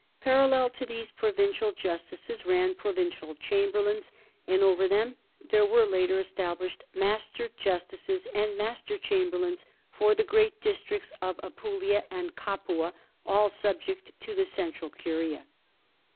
Parallel to these provincial justices ran provincial chamberlains, and over them there were later established master jus tices and master chamberlains for the great districts of Apulia and Capua, all subject to the central curia.